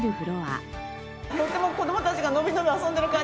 とっても子どもたちがのびのび遊んでる感じが。